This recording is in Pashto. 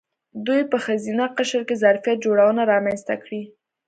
دوی په ښځینه قشر کې ظرفیت جوړونه رامنځته کړې.